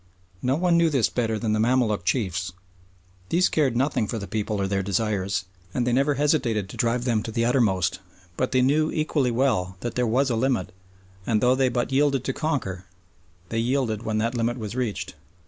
No one knew this better than the Mamaluk chiefs. These cared nothing for the people or their desires, and they never hesitated to drive them to the uttermost, but they knew equally well that there was a limit and, though they but yielded to conquer, they yielded when that limit was reached.